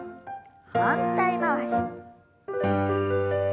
反対回し。